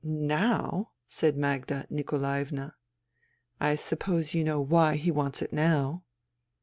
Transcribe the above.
" Now,'* said Magda Nikolaevna. " I suppose you know why he wants it now